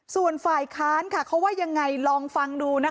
ส่วนฝ่ายค้านค่ะเขาว่ายังไงลองฟังดูนะคะ